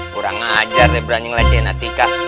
kurang ajar deh beraninya cahaya na tika